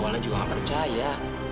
wala juga gak percaya